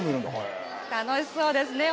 楽しそうですね。